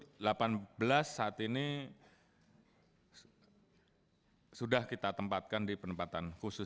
pukul delapan belas saat ini sudah kita tempatkan di penempatan khusus